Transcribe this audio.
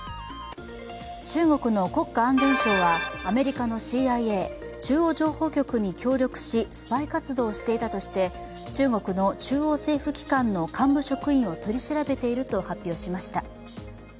中国の国家安全省はアメリカのＣＩＡ＝中央情報局に協力しスパイ活動をしていたとして中国の中央政府機関の幹部職員を取り調べていると発表しました。